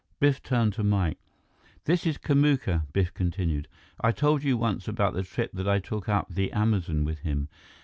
Biff turned to Mike. "This is Kamuka," Biff continued. "I told you once about the trip that I took up the Amazon with him.